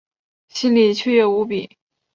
心里雀跃无比